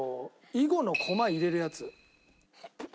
囲碁の駒入れるやつ？